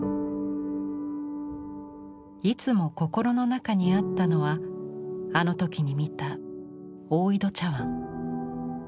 いつも心の中にあったのはあの時に見た大井戸茶碗。